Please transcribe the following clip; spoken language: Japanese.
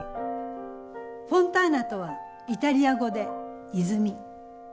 「フォンターナ」とはイタリア語で「泉」。